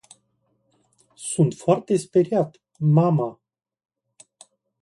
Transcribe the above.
Sunt foarte speriat, mama.